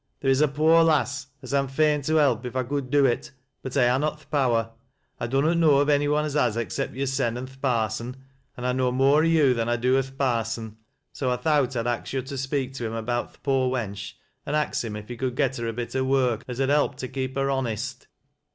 " There is a poor lass as I'm fain to help, if I could do it, but I ha' not til' power. I dunnot know of any one as has, except yo'r sen and th' parson, an' I know more o' yo' than I do o' til' parson, so I thowt I'd ax yo' to speak to him about th' poor wench, an ax him if he could get her a bit o' work is ud help to keep her honest."